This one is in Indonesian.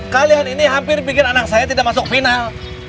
kalian ini hampir bikin anak saya tidak masuk final